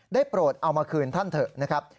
โปรดเอามาคืนท่านเถอะนะครับ